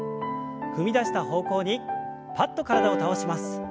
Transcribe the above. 踏み出した方向にパッと体を倒します。